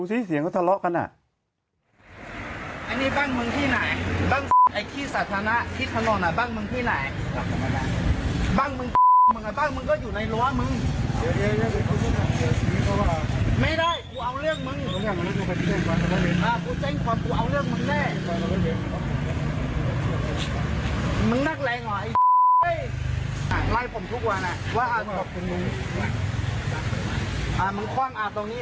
เสียงเขาทะเลาะกันอ่ะ